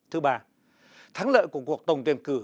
thứ ba thắng lợi của cuộc tổng tuyển cử